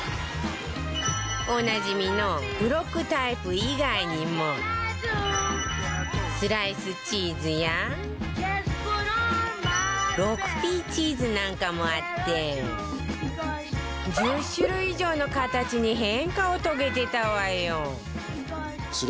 おなじみのブロックタイプ以外にもスライスチーズや ６Ｐ チーズなんかもあって１０種類以上の形に変化を遂げてたわよ